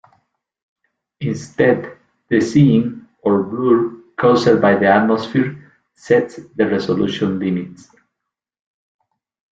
Instead, the seeing, or blur caused by the atmosphere, sets the resolution limit.